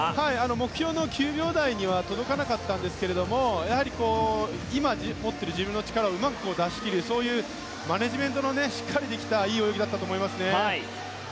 目標の９秒台には届かなかったんですがやはり今持ってる自分の力をうまく出し切るそういうマネジメントのしっかりできたいい泳ぎだったと思いますね。